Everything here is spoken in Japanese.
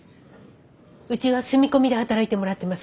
うちは住み込みで働いてもらってますが。